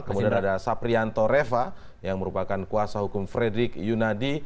kemudian ada saprianto reva yang merupakan kuasa hukum fredrik yunadi